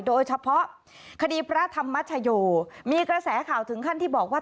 โดยเฉพาะคดีพระธรรมชโยมีกระแสข่าวถึงขั้นที่บอกว่า